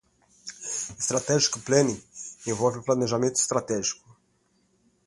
Strategic Planning envolve planejamento estratégico.